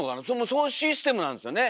そういうシステムなんですよね？